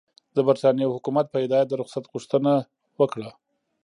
د برټانیې حکومت په هدایت د رخصت غوښتنه وکړه.